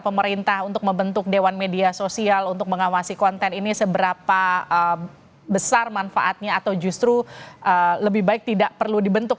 pemerintah untuk membentuk dewan media sosial untuk mengawasi konten ini seberapa besar manfaatnya atau justru lebih baik tidak perlu dibentuk